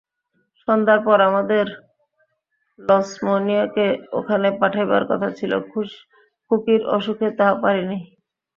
সন্ধ্যার পর আমাদের লছমনিয়াকে ওখানে পাঠাইবার কথা ছিল, খুকির অসুখে তাহা পারি নাই।